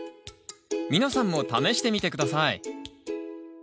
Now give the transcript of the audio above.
皆さんも試してみて下さい。